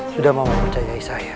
sudah mau mempercayai saya